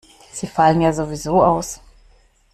Sie fallen ja sowieso aus.